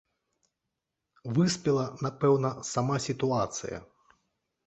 Выспела, напэўна, сама сітуацыя.